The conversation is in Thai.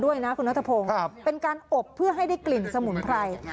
ด้วยนะคุณนัทพงศ์เป็นการอบเพื่อให้ได้กลิ่นสมุนไพร